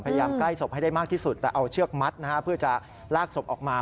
พยายามใกล้สบให้ได้มากที่สุดแต่เอาเชือกมัดเพื่อจะลากสบออกมา